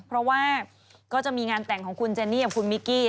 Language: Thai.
เพราะว่าก็จะมีงานแต่งของคุณเจนี่กับคุณมิกกี้